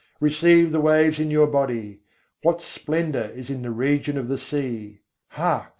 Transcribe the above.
Receive the waves in your body: what splendour is in the region of the sea! Hark!